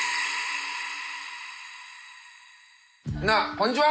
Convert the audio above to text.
こんにちは！